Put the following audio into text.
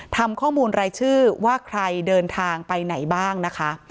ทำข้อมูลรายชื่อว่าใครเดินทางไปไหนบ้างนะคะ